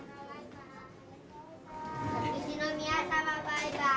秋篠宮さま、バイバーイ。